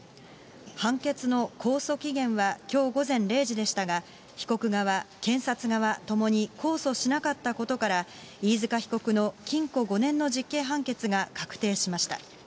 判決の控訴期限はきょう午前０時でしたが、被告側、検察側ともに控訴しなかったことから、飯塚被告の禁錮５年の実刑判決が確定しました。